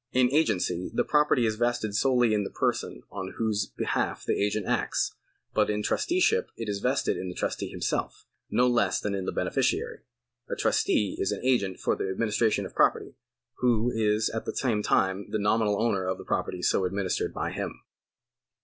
In agency the property is vested solely in the person on whose behalf the agent acts, but in trusteeship it is vested in the trustee himself, no less than in the beneficiary. A trustee is an agent for the administration of property, who is at the same time the nominal owner of the property so administered by him.